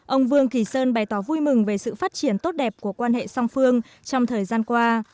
ông vương kỳ sơn bày tỏ vui mừng về sự phát triển tốt đẹp của quan hệ song phương trong thời gian qua